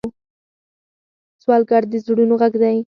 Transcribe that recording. سوالګر د زړونو غږ دی